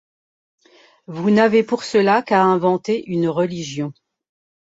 Vous n’avez pour cela qu’à inventer une religion.